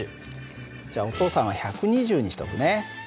じゃあお父さんは１２０にしとくね。